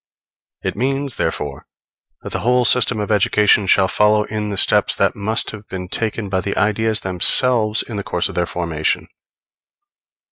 It means, therefore, that the whole system of education shall follow in the steps that must have been taken by the ideas themselves in the course of their formation.